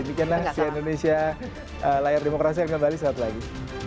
demikianlah si indonesia layar demokrasi yang kembali suatu lagi